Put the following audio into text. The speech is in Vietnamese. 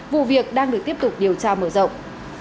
vụ việc đang được tiếp tục điều tra mở rộng